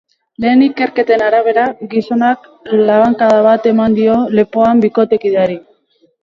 Lehen ikerketen arabera, gizonak labankada bat eman dio lepoan bikotekideari.